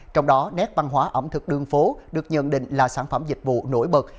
trong đó nét văn hóa ẩm thực đường phố được nhận định là sản phẩm dịch vụ nổi bật